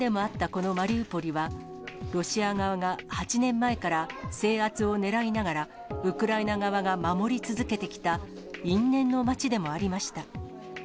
このマリウポリは、ロシア側が８年前から制圧を狙いながら、ウクライナ側が守り続けてきた、因縁の街でもありました。